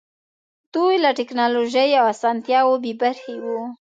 دوی له ټکنالوژۍ او اسانتیاوو بې برخې وو.